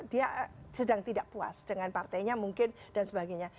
dia sedang tidak puas dengan partainya mungkin dan sebagainya